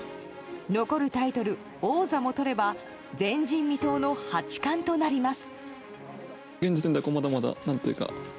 残るタイトル、王座もとれば前人未到の八冠となります。